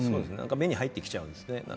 目に入ってきてしまうんですよね。